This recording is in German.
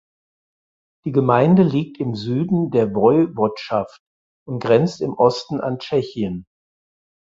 Die Gemeinde liegt im Süden der Woiwodschaft und grenzt im Osten an Tschechien.